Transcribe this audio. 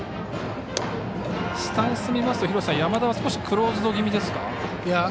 スタンスを見ますと山田は少しクローズド気味ですか？